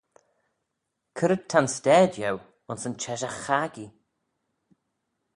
C'red ta'n stayd eu ayns yn çheshaght-chaggee?